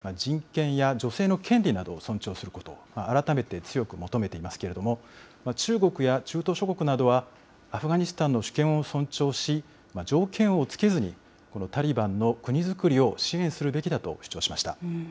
欧米各国などは、タリバンが人権や女性の権利などを尊重することを改めて強く求めていますけれども、中国や中東諸国などは、アフガニスタンの主権を尊重し、条件を付けずに、このタリバンの国造りを支援するべきだと主張しました。